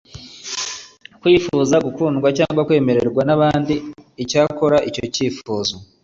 kwifuza gukundwa cyangwa kwemerwa n'abandi. icyakora, icyo kifuzo